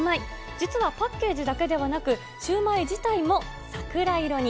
実はパッケージだけではなく、シウマイ自体も桜色に。